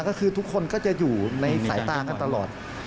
ก็คือทุกคนก็จะอยู่ในสายตากันตลอด